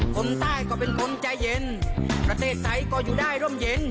คนใต้ก็เป็นคนใจเย็นประเทศใสก็อยู่ได้ร่มเย็น